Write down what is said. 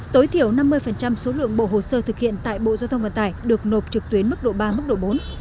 tối thiểu năm mươi số lượng bộ hồ sơ thực hiện tại bộ giao thông vận tải được nộp trực tuyến mức độ ba mức độ bốn